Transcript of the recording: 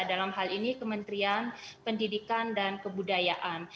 dalam hal ini kementerian pendidikan dan kebudayaan